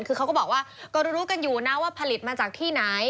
คือเขาก็บอกว่าก็รู้กันอยู่นะว่าผลิตมาจากที่ไหน